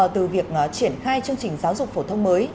từ việc triển khai chương trình giáo dục phổ thông mới